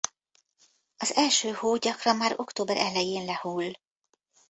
Az első hó gyakran már október elején lehull.